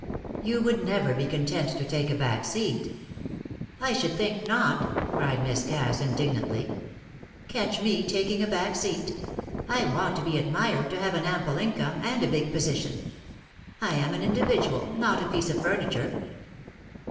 You would never be content to take a back seat." "I should think not!" cried Miss Cass, indignantly. "Catch me taking a back seat! I want to admired, to have an ample income and a big position. I am an individual, not a piece of furniture."